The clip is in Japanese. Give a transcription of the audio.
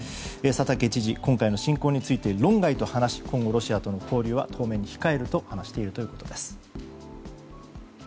佐竹知事は今回の侵攻について論外と話し今後ロシアとの交流は控えると話しているということです。